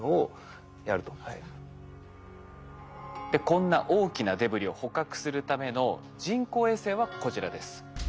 こんな大きなデブリを捕獲するための人工衛星はこちらです。